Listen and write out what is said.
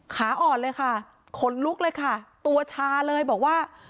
ขาอ่อนเลยค่ะขนลุกเลยค่ะตัวชาเลยบอกว่า